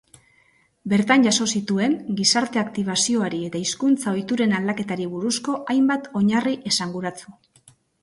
Bertan jaso zituen gizarte aktibazioari eta hizkuntza ohituren aldaketari buruzko hainbat oinarri esanguratsu.